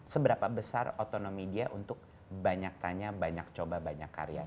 seberapa besar otonomi dia untuk banyak tanya banyak coba banyak karya